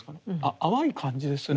淡い感じですね。